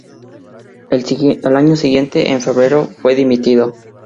El año siguiente, en febrero, fue dimitido.